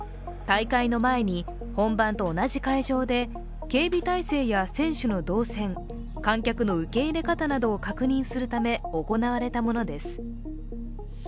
大会の前に本番と同じ会場で警備体制や選手の動線、観客の受け入れ方などを確認するため行われたものです。